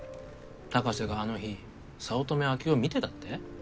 高瀬があの日早乙女秋生を見てたって？